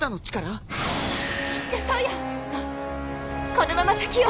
このまま先を。